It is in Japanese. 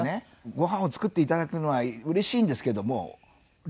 ごはんを作っていただくのはうれしいんですけども量が多い。